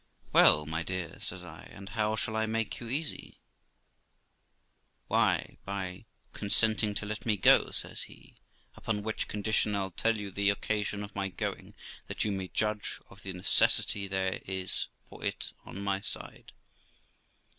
Well, my dear', says I, 'and how shall I make you easy?' 222 THE LIFE OF ROXANA 'Why, by consenting to let me go', says he; 'upon which condition, I'll tell you the occasion of my going, that you may judge of the necessity there is for it on my side.'